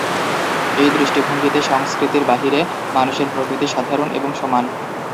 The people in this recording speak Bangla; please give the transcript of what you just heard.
এই দৃষ্টিভঙ্গিতে সংস্কৃতির বাহিরে মানুষের প্রকৃতি সাধারণ এবং সমান।